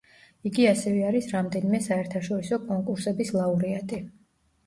იგი ასევე არის რამდენიმე საერთაშორისო კონკურსების ლაურეატი.